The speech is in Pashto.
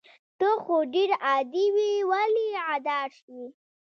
ته خو ډير عادي وي ولې غدار شوي